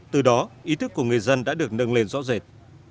từ đó ý thức của người dân đã được nâng lên rõ rệt